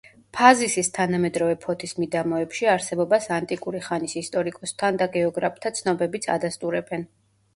ფაზისის თანამედროვე ფოთის მიდამოებში არსებობას ანტიკური ხანის ისტორიკოსთან და გეოგრაფთა ცნობებიც ადასტურებენ.